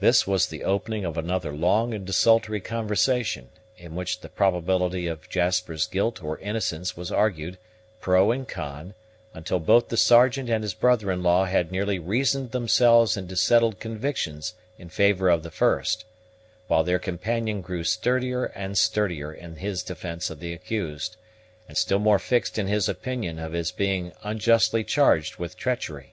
This was the opening of another long and desultory conversation, in which the probability of Jasper's guilt or innocence was argued pro and con, until both the Sergeant and his brother in law had nearly reasoned themselves into settled convictions in favor of the first, while their companion grew sturdier and sturdier in his defence of the accused, and still more fixed in his opinion of his being unjustly charged with treachery.